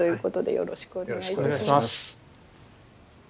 よろしくお願いします。